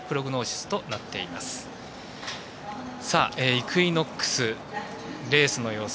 イクイノックス、レースの様子